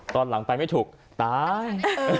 ตอนหลังไปไม่ถูกตาย